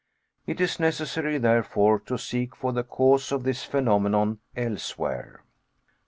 It is necessary, therefore, to seek for the cause of this phenomenon elsewhere.